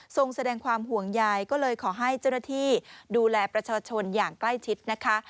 แสดงความห่วงใยก็เลยขอให้เจ้าหน้าที่ดูแลประชาชนอย่างใกล้ชิดนะคะ